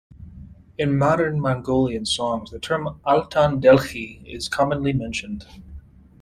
In modern Mongolian songs, the term Altan Delkhi is commonly mentioned.